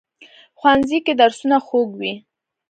ښوونځی کې درسونه خوږ وي